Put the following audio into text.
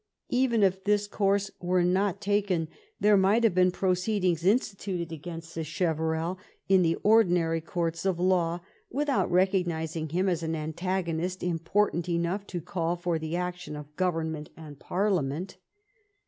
Even if this course was not taken, there might have been proceedings instituted against Sacheverell in the ordinary courts of law, without recognizing him as an antagonist important enough to call for the action of government and Par liament.